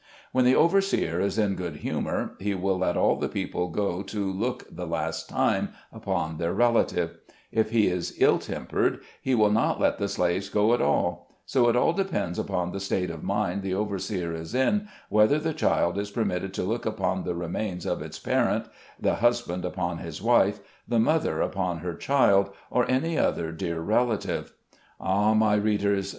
When the overseer is in good humor, he will let all the people go to look the last time upon their relative; if he is ill tempered, he will not let the slaves go at all; so it all depends upon the state of mind the overseer is in, whether the child is permit ted to look upon the remains of its parent, the hus band upon his wife, the mother upon her child, or any other dear relative. Ah, my readers